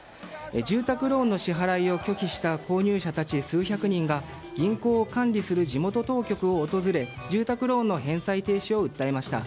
住宅ローンの支払いを拒否した購入者たち数百人が銀行を管理する地元当局を訪れ住宅ローンの返済停止を訴えました。